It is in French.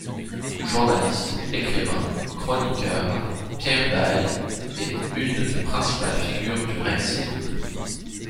Journaliste, écrivain, chroniqueur, Pierre Daye est une des principales figures du rexisme.